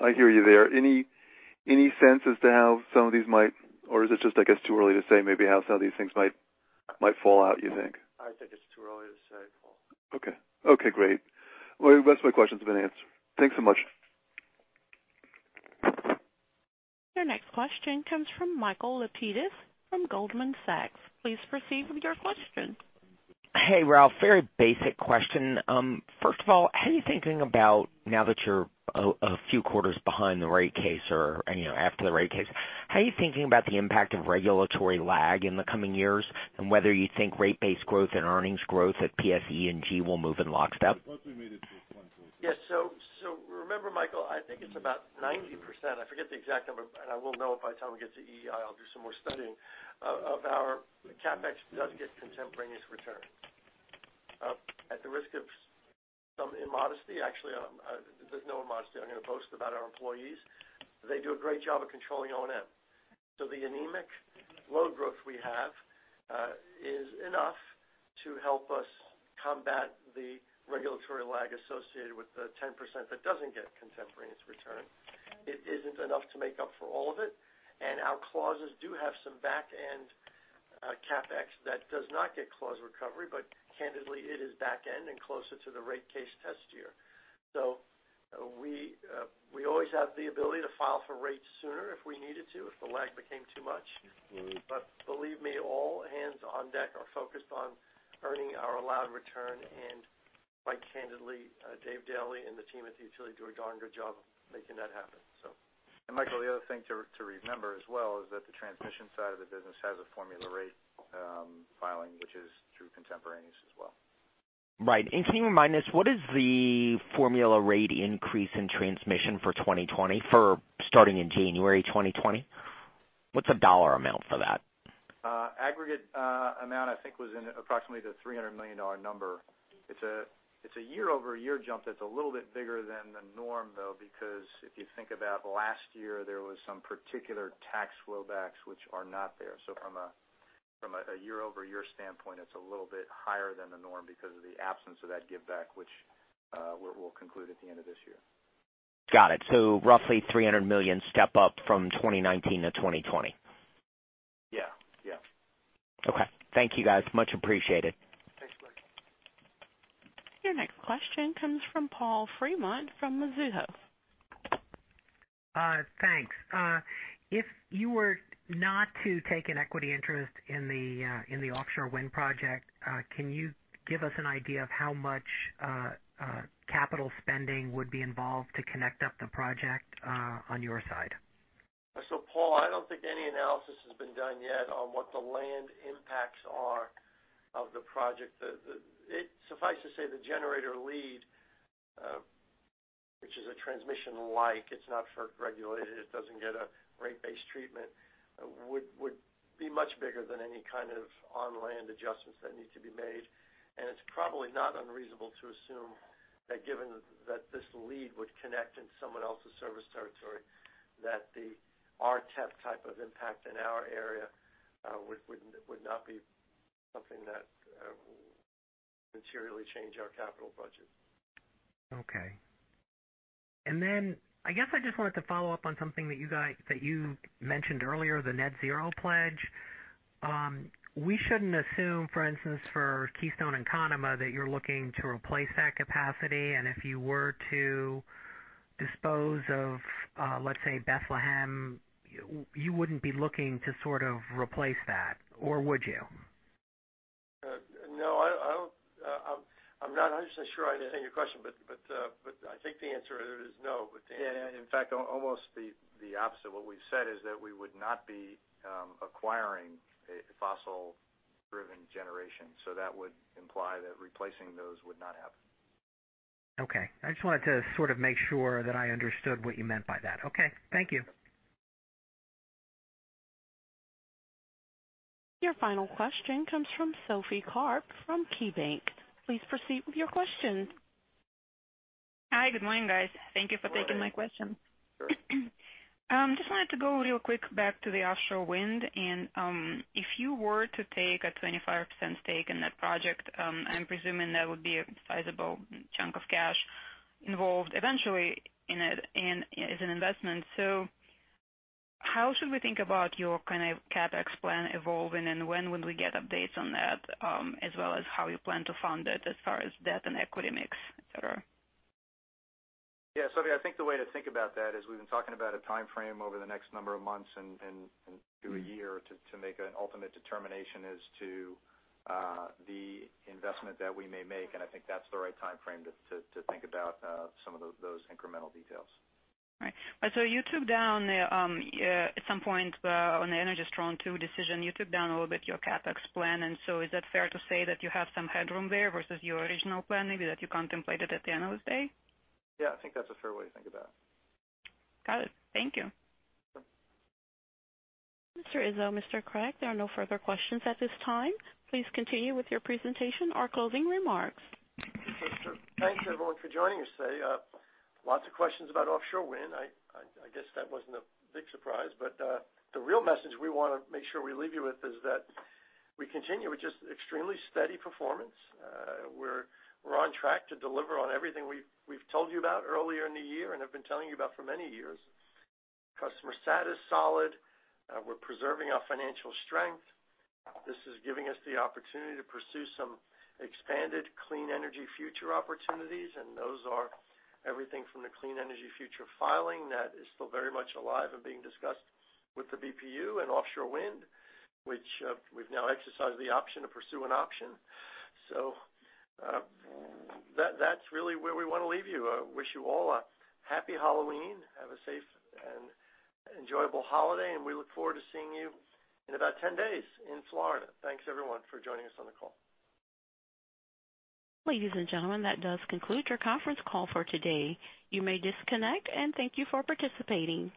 I hear you there. Any sense as to how some of these might, or is it just, I guess, too early to say maybe how some of these things might fall out, you think? I think it's too early to say. Okay, great. Well, the rest of my questions have been answered. Thanks so much. Your next question comes from Michael Lapidus from Goldman Sachs. Please proceed with your question. Hey, Ralph. Very basic question. First of all, how are you thinking about now that you're a few quarters behind the rate case or after the rate case? How are you thinking about the impact of regulatory lag in the coming years, and whether you think rate-based growth and earnings growth at PSE&G will move in lockstep? Yes. Remember, Michael, I think it's about 90%. I forget the exact number, and I will know by the time we get to EEI. I'll do some more studying. Of our CapEx does get contemporaneous return. At the risk of some immodesty, actually, there's no immodesty on your post about our employees. They do a great job of controlling O&M. The anemic load growth we have, is enough to help us combat the regulatory lag associated with the 10% that doesn't get contemporaneous return. It isn't enough to make up for all of it, and our clauses do have some back-end CapEx that does not get clause recovery. Candidly, it is back end and closer to the rate case test year. We always have the ability to file for rates sooner if we needed to, if the lag became too much. Believe me, all hands on deck are focused on earning our allowed return. Quite candidly, Dave Daly and the team at the utility do a darn good job of making that happen. Michael, the other thing to remember as well is that the transmission side of the business has a formula rate filing, which is through contemporaneous as well. Right. Can you remind us, what is the formula rate increase in transmission for 2020, for starting in January 2020? What is a dollar amount for that? Aggregate amount, I think, was in approximately the $300 million number. It's a year-over-year jump that's a little bit bigger than the norm, though, because if you think about last year, there was some particular tax flow backs which are not there. From a year-over-year standpoint, it's a little bit higher than the norm because of the absence of that give back, which we'll conclude at the end of this year. Got it. Roughly $300 million step up from 2019 to 2020. Yeah. Okay. Thank you, guys. Much appreciated. Thanks, Michael. Your next question comes from Paul Fremont from Mizuho. Thanks. If you were not to take an equity interest in the offshore wind project, can you give us an idea of how much capital spending would be involved to connect up the project on your side? Paul, I don't think any analysis has been done yet on what the land impacts are of the project. Suffice to say, the generator lead, which is a transmission-like, it's not FERC-regulated, it doesn't get a rate-based treatment, would be much bigger than any kind of on-land adjustments that need to be made. It's probably not unreasonable to assume that given that this lead would connect in someone else's service territory, that the RTEP type of impact in our area would not be something that would materially change our capital budget. Okay. I guess I just wanted to follow up on something that you mentioned earlier, the net zero pledge. We shouldn't assume, for instance, for Keystone and Conemaugh, that you're looking to replace that capacity. If you were to dispose of, let's say, Bethlehem, you wouldn't be looking to sort of replace that, or would you? No, I'm not 100% sure I understand your question, but I think the answer is no. Yeah. In fact, almost the opposite. What we've said is that we would not be acquiring a fossil-driven generation. That would imply that replacing those would not happen. Okay. I just wanted to sort of make sure that I understood what you meant by that. Okay. Thank you. Your final question comes from Sophie Karp from KeyBanc. Please proceed with your question. Hi, good morning, guys. Thank you for taking my question. Sure. Wanted to go real quick back to the offshore wind, if you were to take a 25% stake in that project, I'm presuming that would be a sizable chunk of cash involved eventually in it and as an investment. How should we think about your kind of CapEx plan evolving, when would we get updates on that, as well as how you plan to fund it as far as debt and equity mix, et cetera? Yeah, Sophie, I think the way to think about that is we've been talking about a timeframe over the next number of months and through a year to make an ultimate determination as to the investment that we may make. I think that's the right timeframe to think about some of those incremental details. Right. You took down at some point on the Energy Strong II decision, you took down a little bit your CapEx plan. Is that fair to say that you have some headroom there versus your original plan maybe that you contemplated at the end of the day? Yeah, I think that's a fair way to think of that. Got it. Thank you. Mr. Izzo, Mr. Cregg, there are no further questions at this time. Please continue with your presentation or closing remarks. Thanks, everyone for joining us today. Lots of questions about offshore wind. I guess that wasn't a big surprise. The real message we want to make sure we leave you with is that we continue with just extremely steady performance. We're on track to deliver on everything we've told you about earlier in the year and have been telling you about for many years. Customer sat is solid. We're preserving our financial strength. This is giving us the opportunity to pursue some expanded Clean Energy Future opportunities, and those are everything from the Clean Energy Future filing that is still very much alive and being discussed with the BPU and offshore wind, which we've now exercised the option to pursue an option. That's really where we want to leave you. I wish you all a Happy Halloween. Have a safe and enjoyable holiday, and we look forward to seeing you in about 10 days in Florida. Thanks everyone for joining us on the call. Ladies and gentlemen, that does conclude your conference call for today. You may disconnect, and thank you for participating.